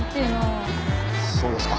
そうですか。